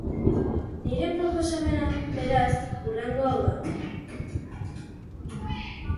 Nire proposamena, beraz, hurrengo hau da.